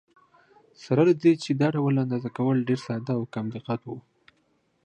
سره له دې چې دا ډول اندازه کول ډېر ساده او کم دقت و.